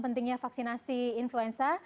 pentingnya vaksinasi influenza